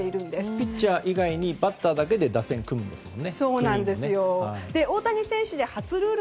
ピッチャー以外にバッターだけで打線を組むんですもんね。